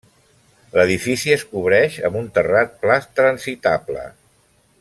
L'edifici es cobreix amb un terrat pla transitable.